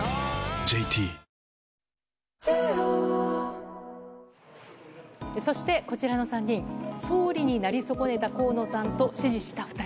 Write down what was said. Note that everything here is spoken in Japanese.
ＪＴそして、こちらの３人、総理になり損ねた河野さんと支持した２人。